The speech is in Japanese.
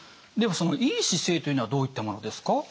ではその良い姿勢というのはどういったものですか？